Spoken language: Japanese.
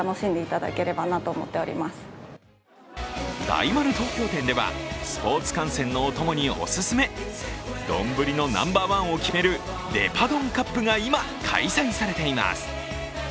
大丸東京店ではスポーツ観戦のお供にお勧め丼のナンバーワンを決めるデパ丼カップが今、開催されています。